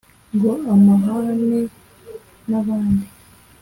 Ngo ahamane n'abandi